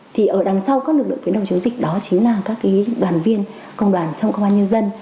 thì ở đằng sau các lực lượng tuyến đầu chống dịch đó chính là các đoàn viên công đoàn trong công an nhân dân